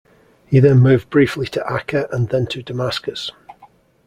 He then moved briefly to Akka and then to Damascus.